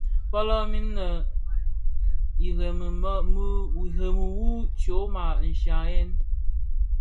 Fölömin innë irèmi wu tyoma nshiaghèn.